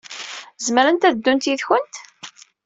Zemrent ad ddunt yid-went?